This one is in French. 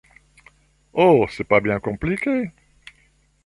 Oh, c’est pas bien compliqué.